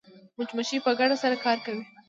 مچمچۍ په ګډه سره کار کوي